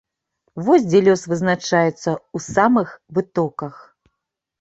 Вось дзе лёс вызначаецца, у самых вытоках.